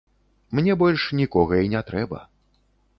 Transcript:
Мне больш нікога і не трэба.